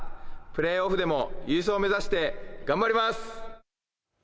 プレーオフでも優勝を目指して頑張ります。